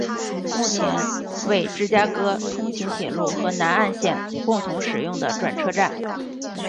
目前为芝加哥通勤铁路和南岸线共同使用的转车站。